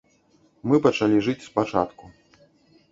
Мы пачалі жыць спачатку.